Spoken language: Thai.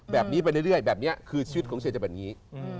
แบบนี้ไปเรื่อยแบบนี้คือชีวิตของเชียร์จะเป็นอย่างนี้